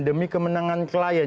demi kemenangan klien